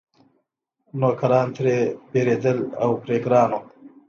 نوکران ترې وېرېدل او پرې ګران وو.